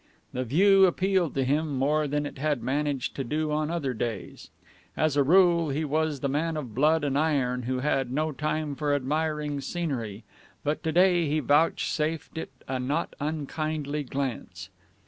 The view appealed to him more than it had managed to do on other days. As a rule, he was the man of blood and iron who had no time for admiring scenery, but to day he vouchsafed it a not unkindly glance.